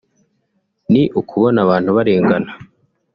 ni ukubona abantu barengana